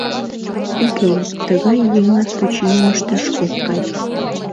Уке, тыгай еҥат починым ышташ ок кай.